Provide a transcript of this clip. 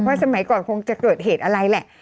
สมัยก่อนคงจะเกิดเหตุอะไรแหละ